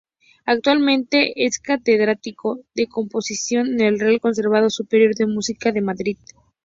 Actualmente es catedrático de Composición en el Real Conservatorio Superior de Música de Madrid.